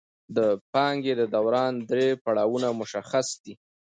د پانګې د دوران درې پړاوونه مشخص دي